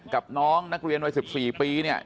กับน้องนักเรียนวัย๑๔ปี